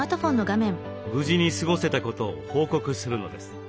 無事に過ごせたことを報告するのです。